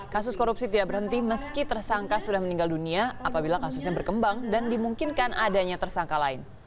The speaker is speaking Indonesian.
kasus korupsi tidak berhenti meski tersangka sudah meninggal dunia apabila kasusnya berkembang dan dimungkinkan adanya tersangka lain